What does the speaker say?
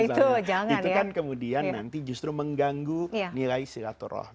itu kan kemudian nanti justru mengganggu nilai silaturahmi